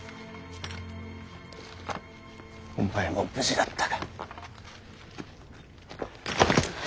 お前も無事だったか。